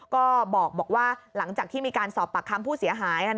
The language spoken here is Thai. ก็บอกว่าหลังจากที่มีการสอบปากคำผู้เสียหาย